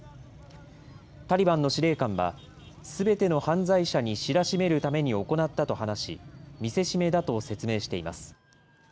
タリバンの司令官は、すべての犯罪者に知らしめるために行ったと話し、見せしめだと説明しています。